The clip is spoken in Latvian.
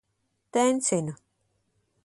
Tencinu.